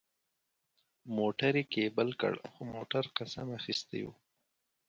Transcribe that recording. موټر یې کېبل کړ، خو موټر قسم اخیستی و.